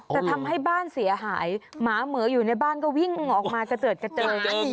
แต่ทำให้บ้านเสียหายหมาเหมืออยู่ในบ้านก็วิ่งออกมากระเจิดกระเจิง